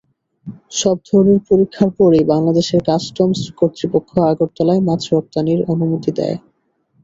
সব ধরনের পরীক্ষার পরই বাংলাদেশের কাস্টমস কর্তৃপক্ষ আগরতলায় মাছ রপ্তানির অনুমতি দেয়।